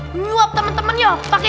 menyuap temen temennya pake